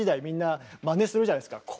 みんなまねするじゃないですか。